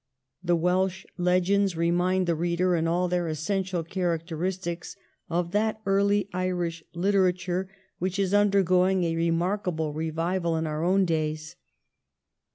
The Welsh legends remind the reader in all their essential characteristics of that early Irish literature which is undergoing a 1702 14 THE CELTIC CHAKACTER. 317 remarkable revival in our own days.